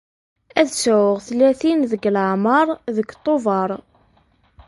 Ad sɛuɣ tlatin deg leɛmer deg Tubeṛ.